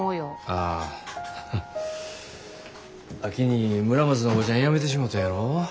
ああ秋に村松のおばちゃん辞めてしもたやろ。